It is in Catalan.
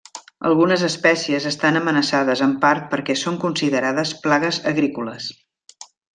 Algunes espècies estan amenaçades, en part perquè són considerades plagues agrícoles.